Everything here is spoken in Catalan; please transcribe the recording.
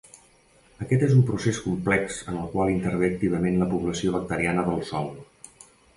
Aquest és un procés complex en el qual intervé activament la població bacteriana del sòl.